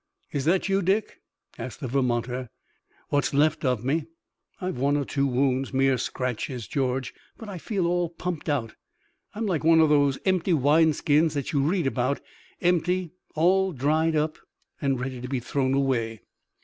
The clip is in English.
"Is that you, Dick?" asked the Vermonter. "What's left of me. I've one or two wounds, mere scratches, George, but I feel all pumped out. I'm like one of those empty wine skins that you read about, empty, all dried up, and ready to be thrown away."